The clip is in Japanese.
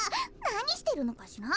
なにしてるのかしら？